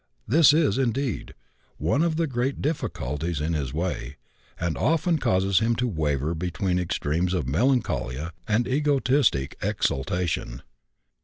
This is, indeed, one of the great difficulties in his way, and often causes him to waver between extremes of melancholia and egotistic exaltation.